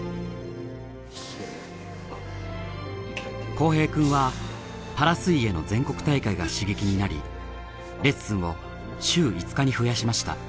幸平くんはパラ水泳の全国大会が刺激になりレッスンを週５日に増やしました。